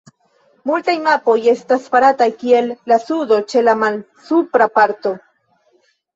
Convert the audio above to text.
Multaj mapoj estas farataj kiel la sudo ĉe la malsupra parto.